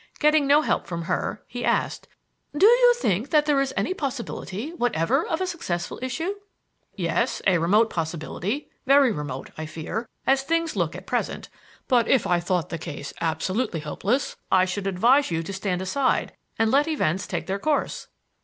Getting no help from her he asked: "Do you think that there is any possibility whatever of a successful issue?" "Yes, a remote possibility very remote, I fear, as things look at present; but if I thought the case absolutely hopeless I should advise you to stand aside and let events take their course."